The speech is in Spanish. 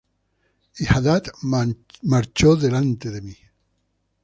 Y Hadad marchó delante de mí.